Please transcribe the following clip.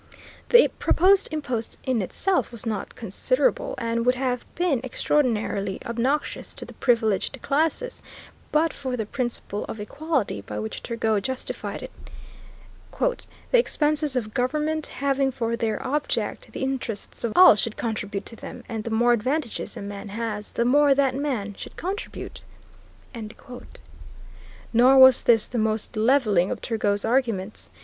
The proposed impost in itself was not considerable, and would not have been extraordinarily obnoxious to the privileged classes, but for the principle of equality by which Turgot justified it: "The expenses of government having for their object the interests of all, all should contribute to them; and the more advantages a man has, the more that man should contribute." Nor was this the most levelling of Turgot's arguments.